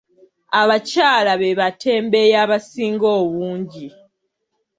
Abakyala be batembeeyi abasinga obungi.